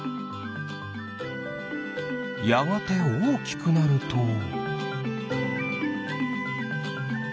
やがておおきくなると。